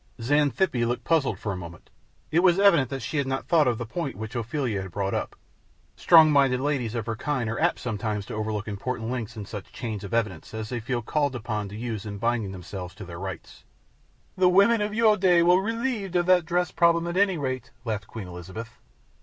Xanthippe looked puzzled for a moment. It was evident that she had not thought of the point which Ophelia had brought up strong minded ladies of her kind are apt sometimes to overlook important links in such chains of evidence as they feel called upon to use in binding themselves to their rights. "The women of your day were relieved of that dress problem, at any rate," laughed Queen Elizabeth.